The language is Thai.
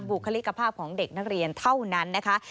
บุคลิกภาพของเด็กนักเรียนเท่านั้นนะคะ